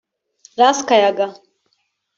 Ras Kayaga